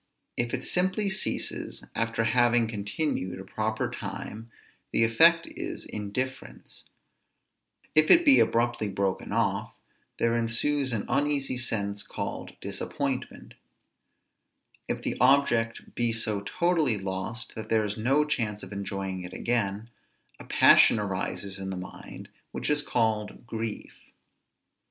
If it simply ceases after having continued a proper time, the effect is indifference; if it be abruptly broken off, there ensues an uneasy sense called disappointment; if the object be so totally lost that there is no chance of enjoying it again, a passion arises in the mind which is called grief.